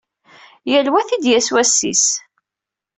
Yal wa ad t-id-yas wass-is.